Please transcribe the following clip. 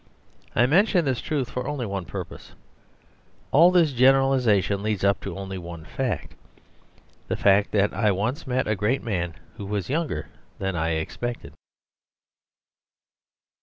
I mention this truth for only one purpose: all this generalisation leads up to only one fact the fact that I once met a great man who was younger than I expected.